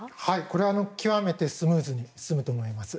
これは極めてスムーズに進むと思います。